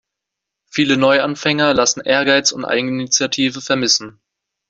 Viele Neuanfänger lassen Ehrgeiz und Eigeninitiative vermissen.